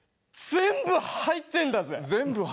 「全部入ってんだぜ」？